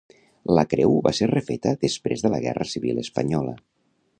La creu va ser refeta després de la Guerra Civil espanyola.